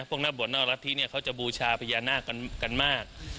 ภวกนักบทนอกละทินี่เขาจะบูชาพญานาคกันแบบนี้